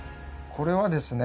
これはですね